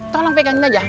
tolong pegangin aja